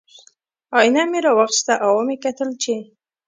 ائینه مې را واخیسته او ومې کتل چې